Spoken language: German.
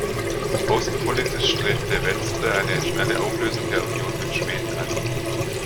Außenpolitisch strebte Venstre eine schnelle Auflösung der Union mit Schweden an.